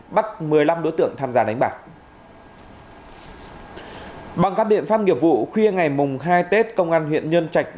bắt một mươi năm đối tượng tham gia đánh bạc bằng các biện pháp nghiệp vụ khuya ngày hai tết công an huyện nhân trạch